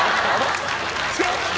ちょっと！